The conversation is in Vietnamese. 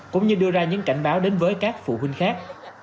cũng như đưa ra những cảnh báo đến với các phụ huynh khác